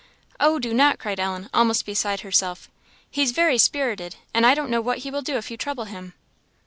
"Oh, do not!" cried Ellen, almost beside herself "he's very spirited, and I don't know what he will do if you trouble him."